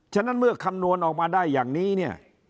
ฉะนั้นเมื่อคำนวณออกมาได้อย่างนี้เนี่ย